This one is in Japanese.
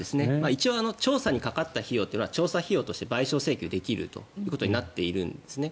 一応、調査にかかった費用というのは調査費用として賠償請求できるということになっているんですね。